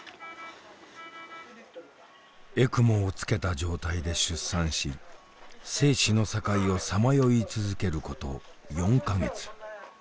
ＥＣＭＯをつけた状態で出産し生死の境をさまよい続けること４か月。